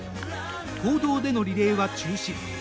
公道でのリレーは中止。